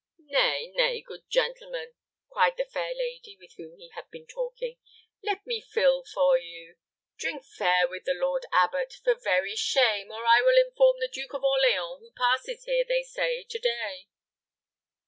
"Nay, nay, good gentleman," cried the fair lady with whom he had been talking, "let me fill for you! Drink fair with the lord abbot, for very shame, or I will inform the Duke of Orleans, who passes here, they say, to day."